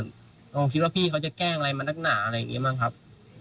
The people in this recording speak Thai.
เราคิดว่าพี่เขาจะแกล้งอะไรมานักหนาอะไรอย่างนี้บ้างครับ